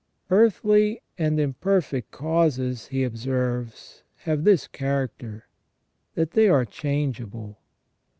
Earthly and imperfect causes, he observes, have this character, that they are changeable.